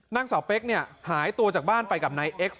นางสาวเป๊กเนี่ยหายตัวจากบ้านไปกับนายเอ็กซ